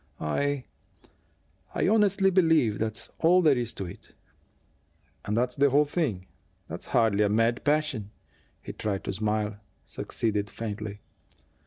I I honestly believe that's all there is to it." "If that's the whole thing, that's hardly a mad passion." He tried to smile; succeeded faintly.